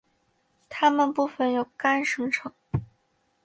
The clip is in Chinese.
它们部分由肝生成。